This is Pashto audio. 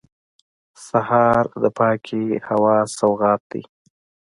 سهار د پاکې هوا سوغات دی.